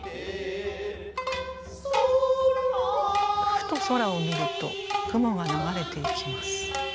ふと空を見ると雲が流れていきます。